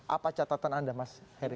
apa catatan anda mas heri